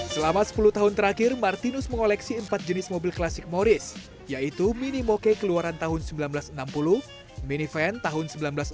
selama sepuluh tahun terakhir martinus mengoleksi empat jenis mobil klasik moris yaitu mini moke keluaran tahun seribu sembilan ratus enam puluh mini van tahun seribu sembilan ratus enam puluh